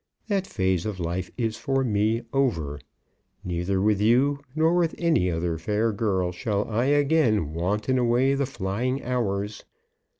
That phase of life is for me over. Neither with you nor with any other fair girl shall I again wanton away the flying hours.